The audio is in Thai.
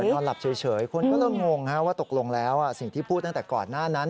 นอนหลับเฉยคนก็เริ่มงงว่าตกลงแล้วสิ่งที่พูดตั้งแต่ก่อนหน้านั้น